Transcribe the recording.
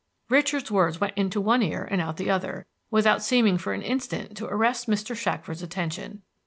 Richard's words went into one ear and out the other, without seeming for an instant to arrest Mr. Shackford's attention.